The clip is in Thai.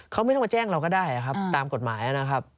เขาไม่ต้องมาแจ้งเราก็ได้ครับตามกฎหมายนะครับ